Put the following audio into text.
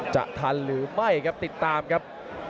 ทันหรือไม่ครับติดตามครับ